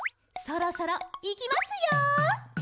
「そろそろ、いきますよ！」